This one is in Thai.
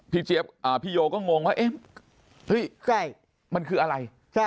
พี่โยก็งงมันคืออะไร